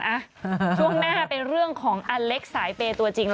ช่วงหน้าเป็นเรื่องของอเล็กสายเปย์ตัวจริง